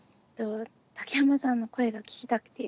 竹山さんの声が聞きたくて。